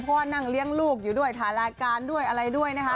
เพราะว่านั่งเลี้ยงลูกอยู่ด้วยถ่ายรายการด้วยอะไรด้วยนะคะ